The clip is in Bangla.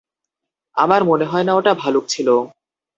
আমার মনে হয় না ওটা ভালুক ছিল।